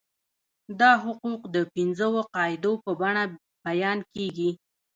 دا حقوق د پنځو قاعدو په بڼه بیان کیږي.